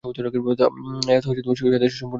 তা এ আয়াত ও সহীহ হাদীসের সম্পূর্ণ পরিপন্থী।